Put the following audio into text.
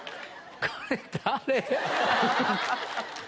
これ誰？